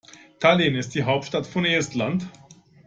Tallinn ist die Hauptstadt von Estland.